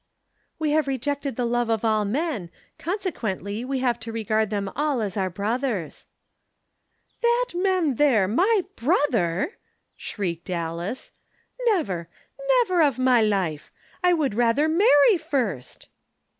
"We have rejected the love of all men; consequently we have to regard them all as our brothers." "That man there my brother!" shrieked Alice. "Never! Never of my life! I would rather marry first!"